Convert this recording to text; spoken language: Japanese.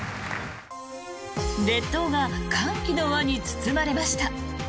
列島が歓喜の輪に包まれました。